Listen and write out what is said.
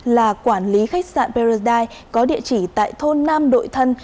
là quản lý khách sạn paradise có địa chỉ tại thôn nam đội thân